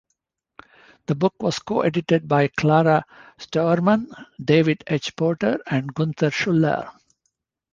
The book was co-edited by Clara Steuermann, David H. Porter and Gunther Schuller.